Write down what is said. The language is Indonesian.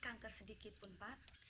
kanker sedikit pun pak